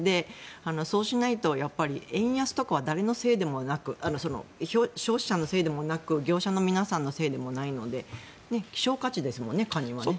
そうしないと円安とかは誰のせいでもなく消費者のせいでもなく業者の皆さんのせいでもないので希少価値ですもんね、カニはね。